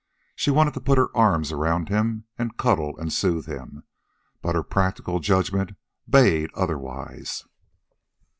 She wanted to put her arms around him, and cuddle and soothe him; but her practical judgment bade otherwise.